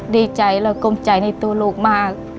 ดีใจและก้มใจในตัวลูกมาก